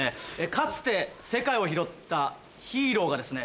かつて世界を拾ったヒーローがですね